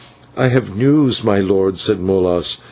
"I have news, my lord," said Molas.